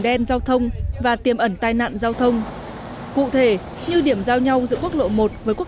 đen giao thông và tiềm ẩn tai nạn giao thông cụ thể như điểm giao nhau giữa quốc lộ một với quốc